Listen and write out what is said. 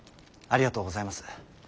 ありがとうございます。